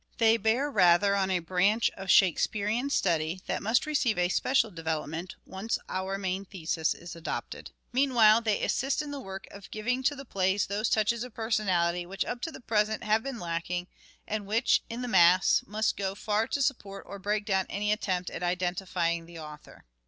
They bear rather on a branch of Shakespearean study that must receive a special development once our main thesis is adopted. Mean while they assist in the work of giving to the plays those touches of personality which up to the present have been lacking, and which, in the mass, must go far to support or break down any attempt at identi fying the author.